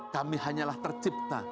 kami hanyalah tercipta